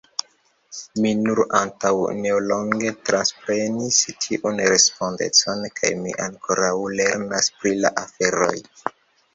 Mi nur antaŭ nelonge transprenis tiun respondecon kaj mi ankoraŭ lernas pri la aferoj.